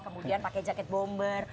kemudian pakai jaket bomber